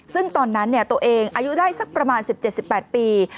ซึ่งตอนนั้นตัวเองอายุได้สักประมาณ๑๗๑๘ปี